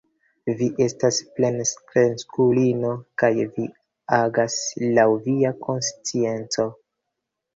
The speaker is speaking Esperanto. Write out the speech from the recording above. Vi estas plenkreskulino kaj vi agas laŭ via konscienco.